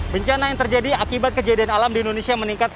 bencana yang terjadi akibat kejadian alam di indonesia meningkat